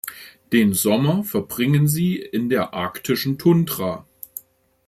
Den Sommer verbringen sie in der arktischen Tundra.